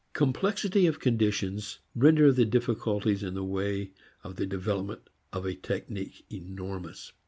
Complexity of conditions render the difficulties in the way of the development of a technique enormous.